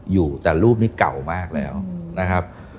อยู่แต่รูปนี้เก่ามากแล้วนะครับ